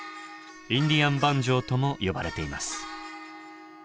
「インディアン・バンジョー」とも呼ばれています。